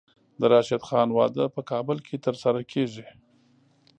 د راشد خان واده په کابل کې ترسره کیږي.